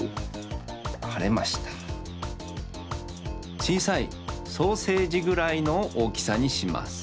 ちいさいソーセージぐらいのおおきさにします。